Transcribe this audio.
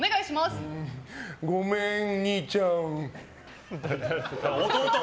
ごめん、兄ちゃん。